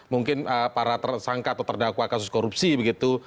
mungkin para tersangka atau terdakwa kasus korupsi begitu